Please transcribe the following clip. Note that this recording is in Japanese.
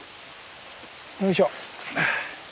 よいしょ。